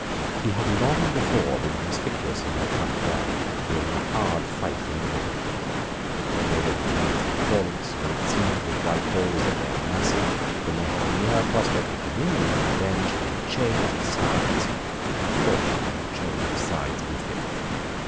He had long before been conspicuous in their front rank during a hard fight for liberty. When they were at length victorious, when it seemed that Whitehall was at their mercy, when they had a near prospect of dominion and revenge, he had changed sides; and fortune had changed sides with him.